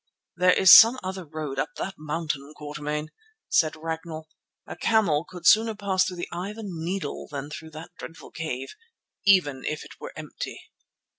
"There is some other road up that mountain, Quatermain," said Ragnall. "A camel could sooner pass through the eye of a needle than through that dreadful cave, even if it were empty."